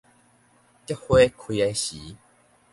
菊花開的時